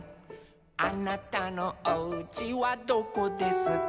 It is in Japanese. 「あなたのおうちはどこですか」